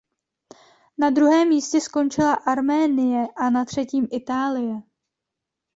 Na druhém místě skončila Arménie a na třetím Itálie.